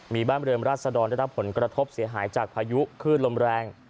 มีบ้านเรือนราชดรได้รับผลกระทบเสียหายจากพายุขึ้นลมแรง